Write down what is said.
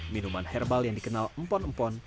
minuman herbal yang dikenal empon empon